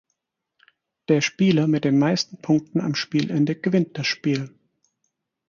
Der Spieler mit den meisten Punkten am Spielende gewinnt das Spiel.